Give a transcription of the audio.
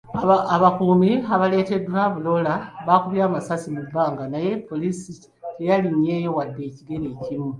Abakuumi abaleeteddwa Bulola baakubye amasasi mu bbanga naye poliisi teyalinnyewo wadde ekigere ekimu.